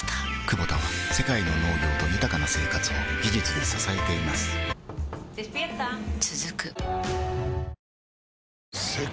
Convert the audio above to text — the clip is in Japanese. クボタは世界の農業と豊かな生活を技術で支えています起きて。